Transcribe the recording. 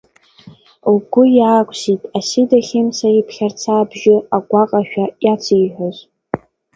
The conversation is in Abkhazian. Лгәы иаақәсит Асида Хьымца иԥхьарца абжьы, агәаҟашәа иациҳәоз…